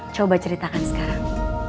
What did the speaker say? coba ceritakan sekarang